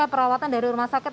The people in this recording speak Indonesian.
perawatan dari rumah sakit